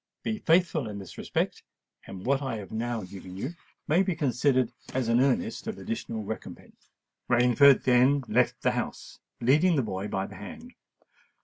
Be faithful in this respect—and what I have now given you may be considered as an earnest of additional recompense." Rainford then left the house, leading the boy by the hand.